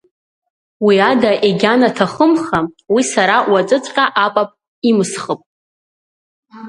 Уи ада егьанаҭахымха, уи сара уаҵәыҵәҟьа апап имсхып.